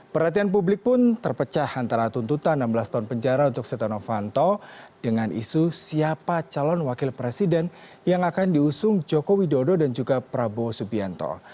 perhatian publik pun terpecah antara tuntutan enam belas tahun penjara untuk setonofanto dengan isu siapa calon wakil presiden yang akan diusung joko widodo dan juga prabowo subianto